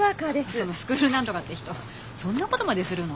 そのスクール何とかって人そんなことまでするの？